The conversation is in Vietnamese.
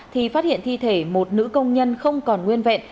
thì phát hiện thi thể một nữ công nhân không còn nguyên vẹn